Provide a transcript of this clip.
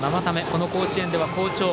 この甲子園では好調。